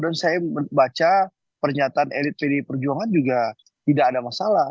dan saya baca pernyataan elit pdi perjuangan juga tidak ada masalah